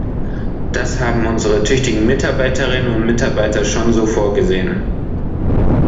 Das haben unsere tüchtigen Mitarbeiterinnen und Mitarbeiter schon so vorgesehen.